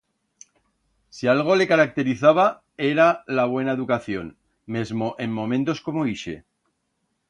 Si algo le caracterizaba era la buena educación, mesmo en momentos como ixe.